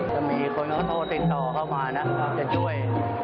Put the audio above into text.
จะมีคนเขาโทรติดต่อเข้ามานะเราจะช่วย